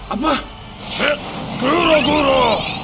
aku akan mencari